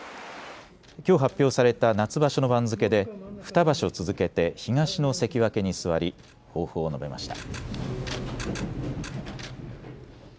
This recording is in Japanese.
きょう発表された夏場所の番付で２場所続けて東の関脇に座り抱負を述べました。